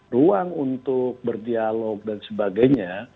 ruang untuk berdialog dan sebagainya